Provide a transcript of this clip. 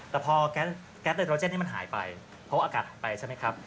แต่พอแก๊สไดโรเจนนี่มันหายไปเพราะว่าอากาศออกไปใช่ไหมครับ